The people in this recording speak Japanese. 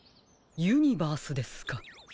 ユニバースですか。